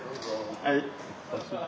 はい。